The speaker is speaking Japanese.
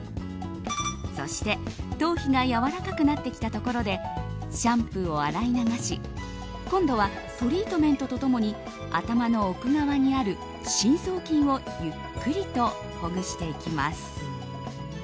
そして、頭皮がやわらかくなってきたところでシャンプーを洗い流し今度はトリートメントと共に頭の奥側にある深層筋をゆっくりとほぐしていきます。